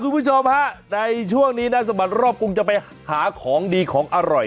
คุณผู้ชมฮะในช่วงนี้นะสะบัดรอบกรุงจะไปหาของดีของอร่อย